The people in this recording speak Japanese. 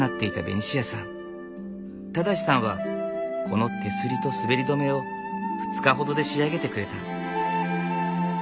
正さんはこの手すりと滑り止めを２日ほどで仕上げてくれた。